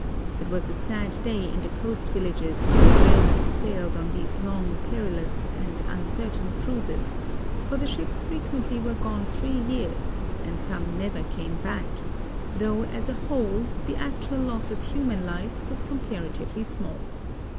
It was a sad day in the coast villages when the whalers sailed on these long, perilous and uncertain cruises, for the ships frequently were gone three years and some never came back, though as a whole the actual loss of human life was comparatively small.